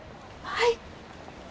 はい。